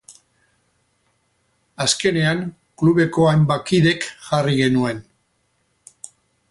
Azkenean klubeko hainbat kidek jarri genuen.